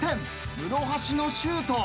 室橋のシュート。